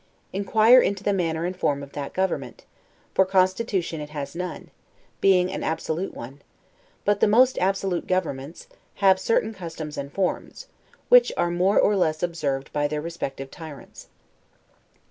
Inquire into the manner and form of that government; for constitution it has none, being an absolute one; but the most absolute governments have certain customs and forms, which are more or less observed by their respective tyrants.